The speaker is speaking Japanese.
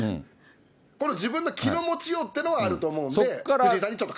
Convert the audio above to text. これ、自分の気の持ちようっていうのはあると思うんで、藤井さんにちょっと。